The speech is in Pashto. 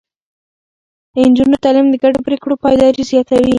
د نجونو تعليم د ګډو پرېکړو پايداري زياتوي.